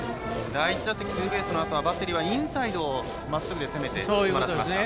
第１打席、ツーベースのあとはバッテリーはインサイドをまっすぐに攻めてつまらせました。